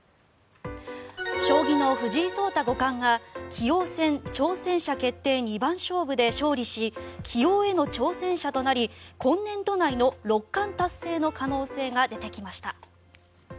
将棋の藤井聡太五冠が棋王戦挑戦者決定二番勝負で勝利し棋王への挑戦者となり今年度内の六冠達成の可能性が出てきました。